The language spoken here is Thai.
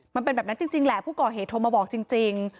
มันเป็นแบบนั้นจริงแหละผู้ก่อเหตุโทรมาบอกจริง